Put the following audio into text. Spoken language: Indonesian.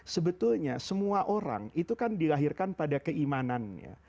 sebetulnya semua orang itu kan dilahirkan pada keimanannya